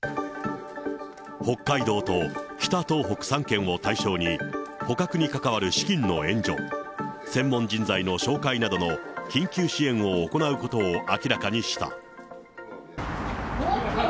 北海道と北東北３県を対象に、捕獲に関わる資金の援助、専門人材の紹介などの緊急支援を行うことを明らかにした。